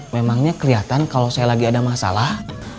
memangnya kelihatan kalau saya lagi ada masalah